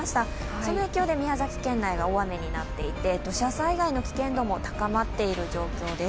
その影響で宮崎県内は大雨になっていて土砂災害の危険度も高まっている状況です。